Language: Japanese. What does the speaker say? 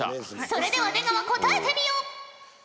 それでは出川答えてみよ！